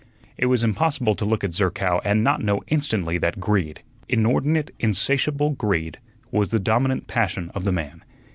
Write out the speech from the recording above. It was impossible to look at Zerkow and not know instantly that greed inordinate, insatiable greed was the dominant passion of the man.